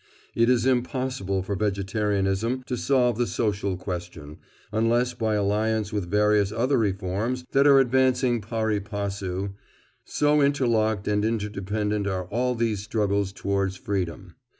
It is impossible for vegetarianism to solve the social question, unless by alliance with various other reforms that are advancing pari passu—so interlocked and interdependent are all these struggles towards freedom.